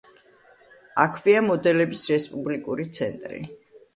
აქვეა მოდელების რესპუბლიკური ცენტრი.